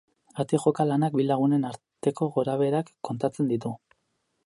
Ate joka lanak bi lagunen arteko gorabeherak kontatzen ditu.